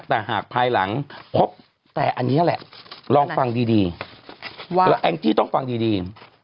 แต่หากภายหลังพบแต่อันนี้แหละลองฟังดีแล้วแองจี้ต้องฟังดี